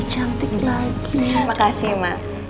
terima kasih emang